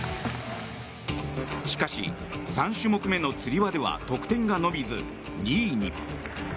しかし、３種目目のつり輪では得点が伸びず２位に。